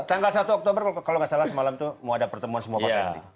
tanggal satu oktober kalau nggak salah semalam tuh mau ada pertemuan semua pak sby